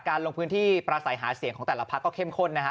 การลงพื้นที่ปลาสายหาเสียงของแต่ละภาคก็เค็มค่นนะฮะ